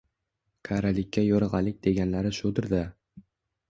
Qarilikka yo`rg`alik deganlari shudir-da